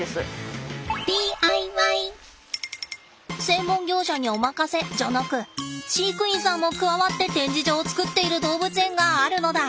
専門業者にお任せじゃなく飼育員さんも加わって展示場を作っている動物園があるのだ！